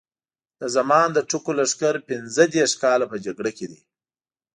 د زمان د ټکو لښکر پینځه دېرش کاله په جګړه کې دی.